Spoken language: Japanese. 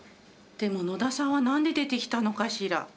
でも野田さんは何で出てきたのかしら。